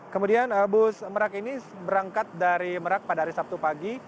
kemudian bus merak ini berangkat dari merak pada hari sabtu pagi